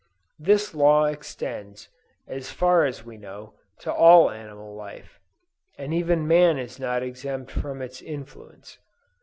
This law extends, as far as we know, to all animal life, and even man is not exempt from its influence.